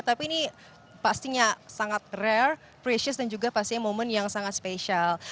tapi ini pastinya sangat rare pressues dan juga pastinya momen yang sangat spesial